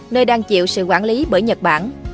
nơi đang chịu sự quản lý bởi nhật bản